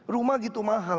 rumah itu mahal